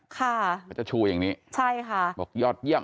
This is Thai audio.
เขาจะชูอย่างนี้ใช่ค่ะบอกยอดเยี่ยม